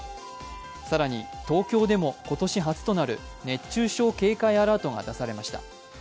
さらに東京でも今年初となる熱中症警戒アラートが出されました。